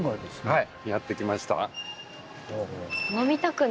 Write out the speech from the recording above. はい。